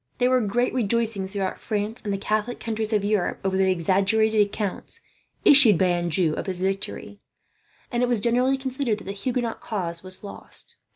There were great rejoicings throughout France, and the Catholic countries of Europe, over the exaggerated accounts issued by Anjou of his victory; and it was generally considered that the Huguenot cause was lost.